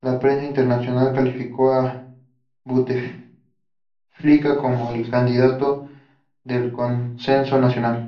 La prensa internacional calificó a Buteflika como el "candidato del consenso nacional".